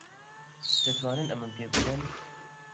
دەتوانن ئەمەم پێ بدەن؟